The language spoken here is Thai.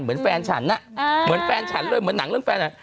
เหมือนแฟนฉันน่ะเหมือนแฟนฉันเลยเหมือนหนังเรื่องแฟน